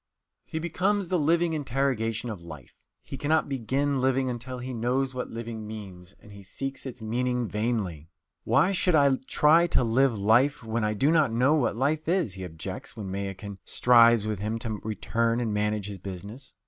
He becomes the living interrogation of life. He cannot begin living until he knows what living means, and he seeks its meaning vainly. "Why should I try to live life when I do not know what life is?" he objects when Mayakin strives with him to return and manage his business.